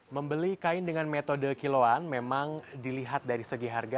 membeli kain dengan metode kiloan memang dilihat dari segi harga